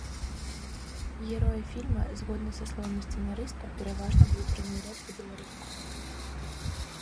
Героі фільма, згодна са словамі сцэнарыста, пераважна будуць размаўляць па-беларуску.